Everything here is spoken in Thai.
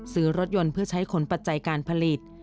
ซื้อรถยนต์เพื่อใช้ขนปัจจัยการผลิต